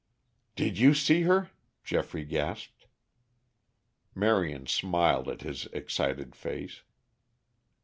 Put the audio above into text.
"Did you see her?" Geoffrey gasped. Marion smiled at his excited face.